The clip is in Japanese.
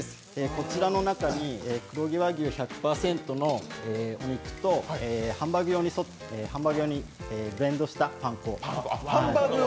こちらの中に、黒毛和牛１００％のお肉と、ハンバーグ用にブレンドしたパン粉。